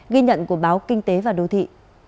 ghi nhận của báo kinh tế và đô thị